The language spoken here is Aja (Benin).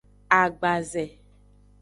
Agbaze.